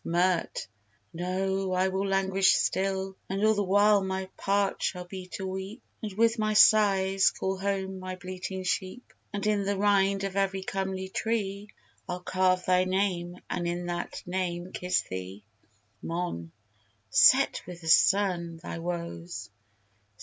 MIRT. No, I will languish still; And all the while my part shall be to weep; And with my sighs call home my bleating sheep; And in the rind of every comely tree I'll carve thy name, and in that name kiss thee. MON. Set with the sun, thy woes!